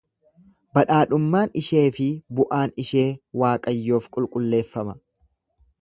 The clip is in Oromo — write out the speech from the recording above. Badhaadhummaan ishee fi bu'aan ishee Waaqayyoof qulqulleeffama.